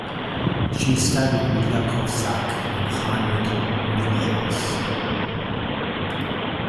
She studied with Yakov Zak and Heinrich Neuhaus.